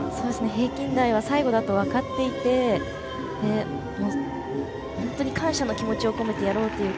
平均台は最後だと分かっていて本当に感謝の気持ちを込めてやろうという